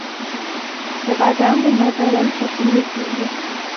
د بادامو ماتول په تیږه کیږي.